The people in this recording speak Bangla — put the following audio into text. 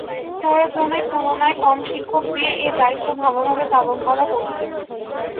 প্রয়োজনের তুলনায় কম শিক্ষক দিয়ে এ দায়িত্ব ভালোভাবে পালন করা কঠিন।